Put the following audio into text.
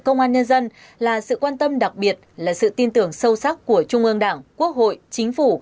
công an nhân dân là sự quan tâm đặc biệt là sự tin tưởng sâu sắc của trung ương đảng quốc hội chính phủ